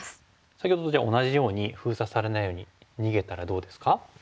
先ほどと同じように封鎖されないように逃げたらどうですか？